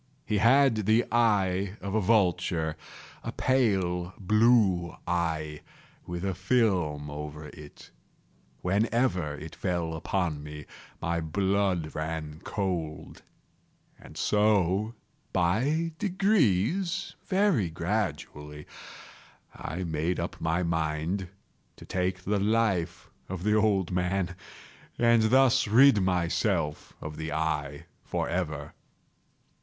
He had the eye of a vulture—a pale blue eye, with a film over it. Whenever it fell upon me, my blood ran cold; and so by degrees—very gradually—I made up my mind to take the life of the old man, and thus rid myself of the eye forever.